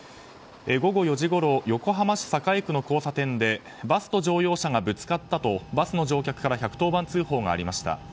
午後４時ごろ横浜市栄区の交差点でバスと乗用車がぶつかったとバスの乗客から１１０番通報がありました。